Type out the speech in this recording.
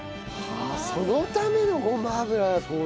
そのためのごま油だったんだ。